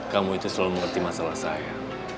kamu itu selalu mengerti masalah saya